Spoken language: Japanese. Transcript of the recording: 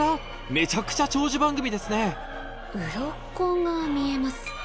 めちゃくちゃ長寿番組ですね